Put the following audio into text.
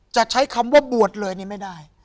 จะใช้คำว่าบวชเลยนี่ไม่ได้